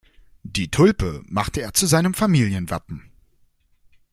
Die Tulpe machte er zu seinem Familienwappen.